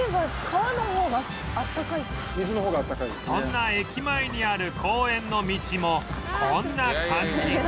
そんな駅前にある公園の道もこんな感じ